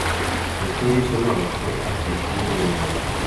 La historia sólo abarcó hasta el quinto volumen.